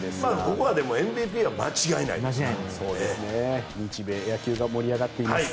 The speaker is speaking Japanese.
ここはＭＶＰは間違いないです。